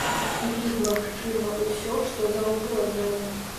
І тут магчыма ўсё што заўгодна.